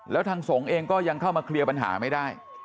แล้วทางสงฆ์เองก็ยังเข้ามาเคลียร์ปัญหาไม่ได้